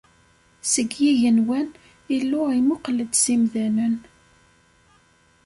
Seg yigenwan, Illu imuqqel-d s imdanen.